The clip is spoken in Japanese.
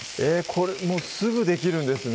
これもうすぐできるんですね